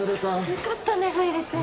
よかったね入れて。